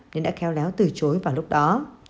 nên đã khéo léo từ chối vào lúc đó